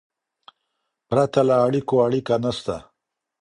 پرته له اړیکو، اړیکه نسته.